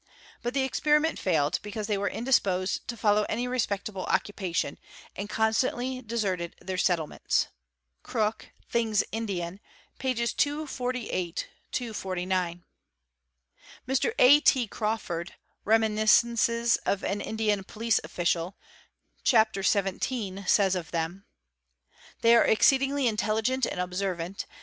But the 'experiment failed, because they were indisposed to follow any respectable EL DRA TR DCC apation, and constantly deserted their settlements.' (Crooke 'Things Indian," pp. 248, 249.) | Mr. A. T. Crawford, " Reminiscences of an Indian Police Official," hapter XVII., says of them. 'They are exceedingly intelligent and servant